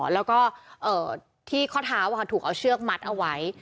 แล้วก็ที่ข้อเท้าถูกเอาเชือกมัดเอาไว้